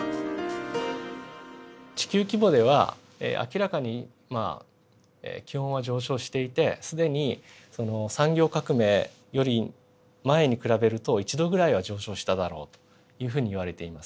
地球規模では明らかにまあ気温は上昇していて既に産業革命より前に比べると１℃ぐらいは上昇しただろうというふうにいわれています。